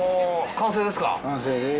完成です。